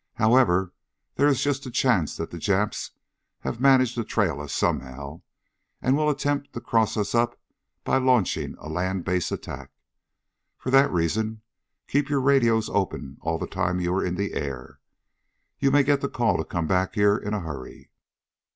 However, there is just a chance that the Japs have managed to trail us somehow, and will attempt to cross us up by launching a land based attack. For that reason, keep your radios open all the time you are in the air. You may get the call to come back here in a hurry."